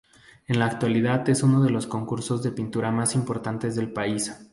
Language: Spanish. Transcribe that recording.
En la actualidad es uno de los concursos de pintura más importantes del país.